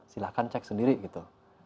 silahkan cek sendiri gitu